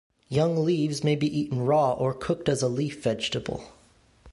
Young leaves may be eaten raw or cooked as a leaf vegetable.